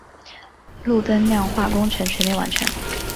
路灯亮化工程全面完成。